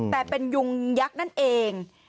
แต่เป็นยุงยักษ์นั่นเอง